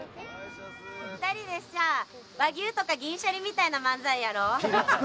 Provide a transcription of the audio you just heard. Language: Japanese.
２人でさ、和牛とか銀シャリみたいなまんざいやろう。